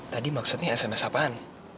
tadi maksudnya sms apaan